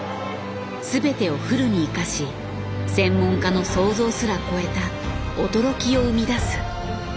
全てをフルに生かし専門家の想像すら超えた「驚き」を生み出す。